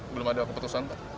belum ada keputusan pak